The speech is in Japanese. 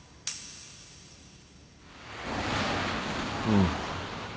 うん。